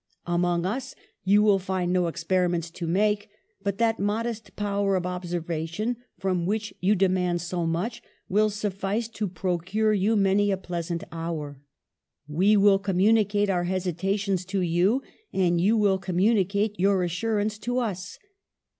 Among us you will find no experiments to make; but that modest power of observation, from which you demand so much, will sufiSce to procure you many a pleasant hour. We will communicate our hesitations to you : and you will communi cate your assurance to us.